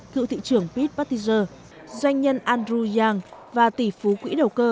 cựu thị trưởng pete buttiger doanh nhân andrew yang và tỷ phú quỹ đầu cơ